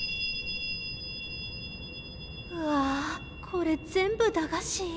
これ全部駄菓子？